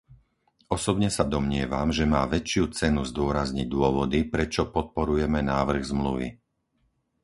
Osobne sa domnievam, že má väčšiu cenu zdôrazniť dôvody, prečo podporujeme návrh Zmluvy.